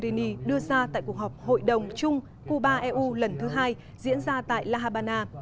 moghi đưa ra tại cuộc họp hội đồng chung cuba eu lần thứ hai diễn ra tại la habana